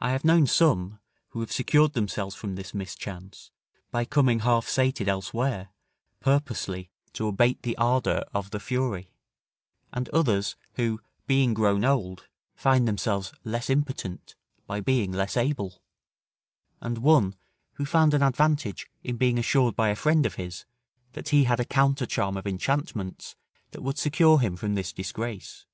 I have known some, who have secured themselves from this mischance, by coming half sated elsewhere, purposely to abate the ardour of the fury, and others, who, being grown old, find themselves less impotent by being less able; and one, who found an advantage in being assured by a friend of his, that he had a counter charm of enchantments that would secure him from this disgrace.